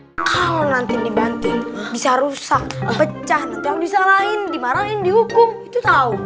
hai kalau nanti dibantuin bisa rusak pecah nanti bisa lain dimarahin dihukum itu tahu